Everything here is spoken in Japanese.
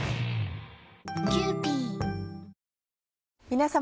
皆様。